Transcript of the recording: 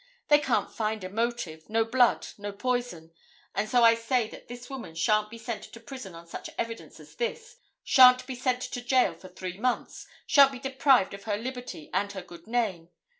They can't find a motive, no blood, no poison, and so I say that this woman shan't be sent to prison on such evidence as this, shan't be sent to jail for three months, shan't be deprived of her liberty and her good name.